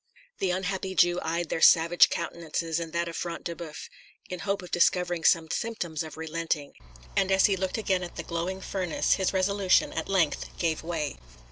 The unhappy Jew eyed their savage countenances and that of Front de Boeuf, in hope of discovering some symptoms of relenting; and as he looked again at the glowing furnace his resolution at length gave way.